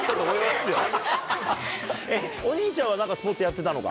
お兄ちゃんは何かスポーツやってたのか？